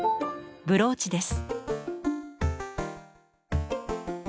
ブローチです。